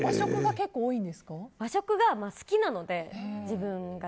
和食が好きなので、自分が。